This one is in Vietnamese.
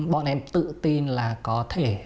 bọn em tự tin là có thể